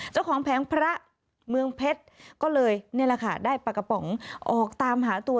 เจ้าของแผงพระมึงเพศก็เลยได้ปลากระป๋องออกตามหาตัว